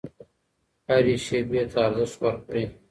هرې شیبې ته ارزښت ورکړئ.